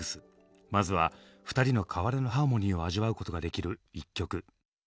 まずは２人の変わらぬハーモニーを味わうことができる１曲。